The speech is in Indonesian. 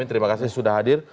terima kasih sudah hadir